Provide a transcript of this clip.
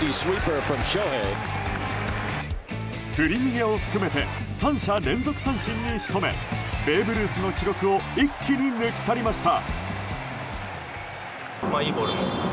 振り逃げを含めて３者連続三振に仕留めベーブ・ルースの記録を一気に抜き去りました。